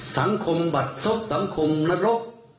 สังคมบัดซุกสังคมนรก